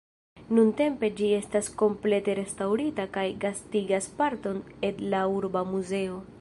Nuntempe ĝi estas komplete restaŭrita kaj gastigas parton ed la urba muzeo.